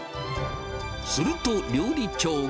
すると、料理長が。